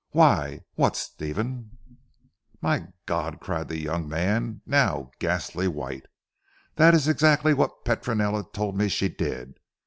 Why what Stephen?" "My God!" cried the young man now ghastly white. "That is exactly what Petronella told me she did.